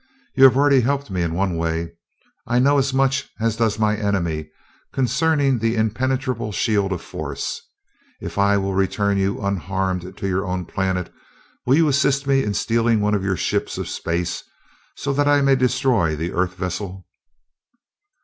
You have already helped me in one way I know as much as does my enemy concerning the impenetrable shield of force. If I will return you unharmed to your own planet, will you assist me in stealing one of your ships of space, so that I may destroy that Earth vessel?"